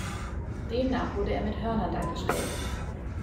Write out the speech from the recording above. Demnach wurde er mit Hörnern dargestellt.